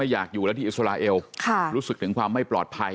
อยากอยู่แล้วที่อิสราเอลรู้สึกถึงความไม่ปลอดภัย